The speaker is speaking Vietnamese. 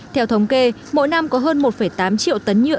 theo thống kê mỗi năm có hơn một tám triệu tấn nhựa